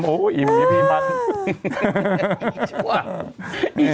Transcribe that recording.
อู้้อิ่มมีพี่หนัง